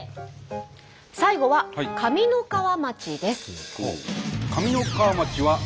最後は上三川町です。